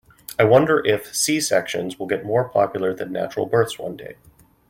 I wonder if C-sections will get more popular than natural births one day.